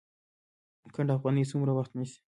ګنډ افغاني څومره وخت نیسي؟